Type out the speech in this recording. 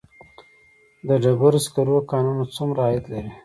د ډبرو سکرو کانونه څومره عاید لري؟